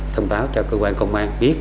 thông báo cho cơ quan công an biết